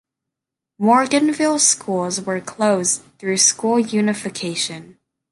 Morganville schools were closed through school unification.